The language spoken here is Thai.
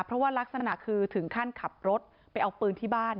เพราะว่ารักษณะคือถึงขั้นขับรถไปเอาปืนที่บ้าน